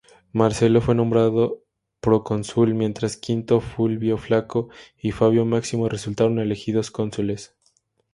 Marcelo fue nombrado procónsul, mientras Quinto Fulvio Flaco y Fabio Máximo resultaron elegidos cónsules.